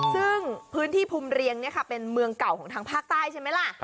ซึ่งพื้นที่ภูมิเรียงเป็นเมืองเก่าของทางภาคใต้ใช่ไหมล่ะ